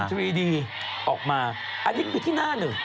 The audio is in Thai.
อันนี้คือที่หน้าเนี่ย